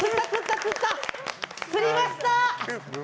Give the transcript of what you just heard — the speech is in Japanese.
つりました！